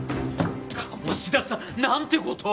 鴨志田さんなんて事を！